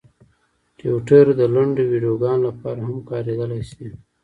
ټویټر د لنډو ویډیوګانو لپاره هم کارېدلی شي.